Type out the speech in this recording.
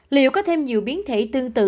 liệu có thêm nhiều biến thể tương tự